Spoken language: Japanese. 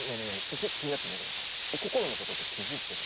ちょっと気になったんだけどさこころの事って気づいてた？